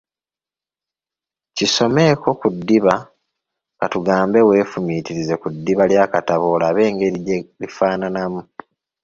Kisomeeko ku ddiba ka tugambe weefumiitirize ku ddiba ly’akatabo olabe engeri gye lifaanana.